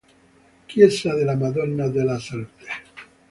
Chiesa della Madonna della Salute